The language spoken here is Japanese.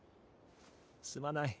すまない。